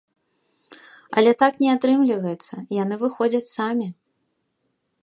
Але так не атрымліваецца, яны выходзяць самі.